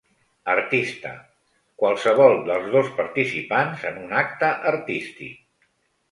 Artista: qualsevol dels dos participants en un acte artístic.